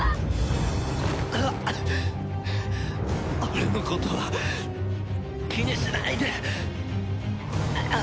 俺のことは気にしないで。